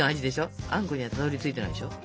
あんこにはたどりついてないでしょ？